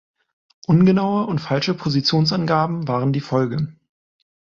Ungenaue und falsche Positionsangaben waren die Folge.